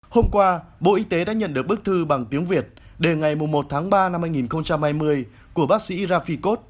hôm qua bộ y tế đã nhận được bức thư bằng tiếng việt đề ngày một ba hai nghìn hai mươi của bác sĩ rafi kot